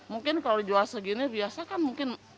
mungkin kalau dijual segini biasa kan mungkin